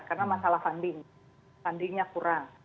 karena masalah funding fundingnya kurang